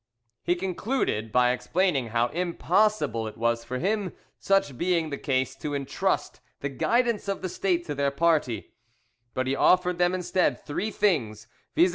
He concluded by explaining how impossible it was for him, such being the case, to entrust the guidance of the State to their party; but he offered them instead three things, viz.